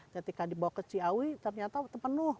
ketika dibawa ke ciawi ternyata penuh